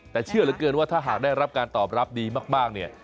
แต่เชื่อเหลือเกินว่าถ้าหากได้รับการตอบรับดีมากเนี่ย